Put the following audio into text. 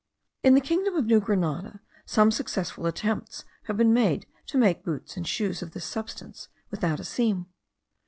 In the kingdom of New Grenada some successful attempts have been made to make boots and shoes of this substance without a seam.